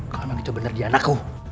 kalau mencoba bener dia anakku